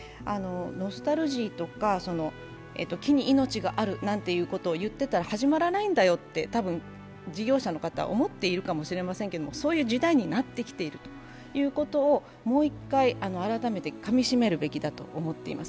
ノスタルジーとか木に命があるなんてことを言っていたら始まらないんだよということを事業者の方は多分言っていると思うんですけどそういう時代になってきているということをもう一回、かみしめるべきだと思っています。